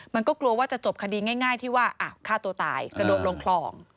มันก็กลัวว่าจะจบคดีง่ายที่ว่าฆ่าตัวตายกระโดดลงคลอง